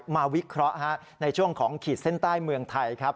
วิเคราะห์ในช่วงของขีดเส้นใต้เมืองไทยครับ